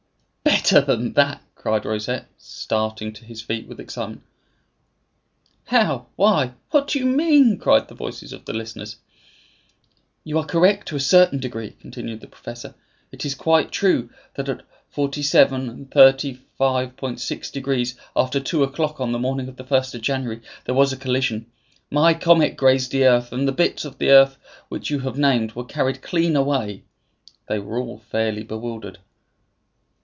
"Better than that!" cried Rosette, starting to his feet with excitement. "How? Why? What do you mean?" cried the voices of the listeners. "You are correct to a certain degree," continued the professor. "It is quite true that at 47' 35.6" after two o'clock on the morning of the first of January there was a collision; my comet grazed the earth; and the bits of the earth which you have named were carried clean away." They were all fairly bewildered.